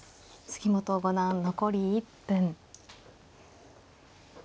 杉本五段残り１分。